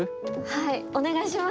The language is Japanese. はいお願いします。